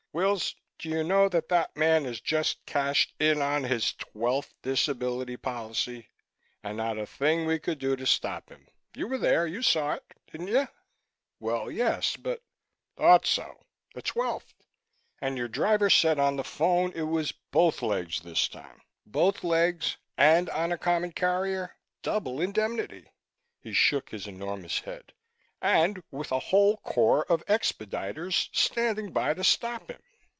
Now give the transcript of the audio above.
"Wills, do you know that that man has just cashed in on his twelfth disability policy? And not a thing we could do to stop him! You were there. You saw it, didn't you?" "Well, yes, but " "Thought so. The twelfth! And your driver said on the phone it was both legs this time. Both legs and on a common carrier. Double indemnity!" He shook his enormous head. "And with a whole corps of expediters standing by to stop him!"